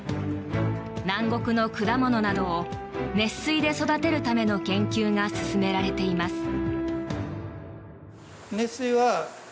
南国の果物などを熱水で育てるための研究が進められています。